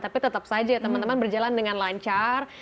tapi tetap saja teman teman berjalan dengan lancar